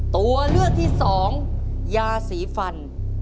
ตัวเลือกที่สองยาสีฟัน